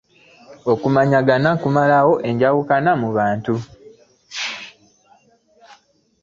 okumanyaganya kumalawo enjawukana mu bantu.